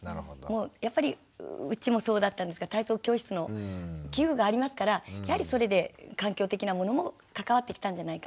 やっぱりうちもそうだったんですが体操教室の器具がありますからやはりそれで環境的なものも関わってきたんじゃないか。